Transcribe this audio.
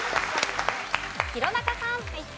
弘中さん。